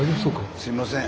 すいません。